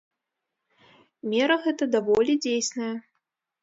Мера гэта даволі дзейсная.